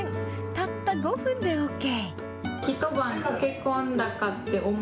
たった５分でＯＫ。